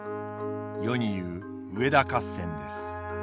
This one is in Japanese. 世に言う上田合戦です。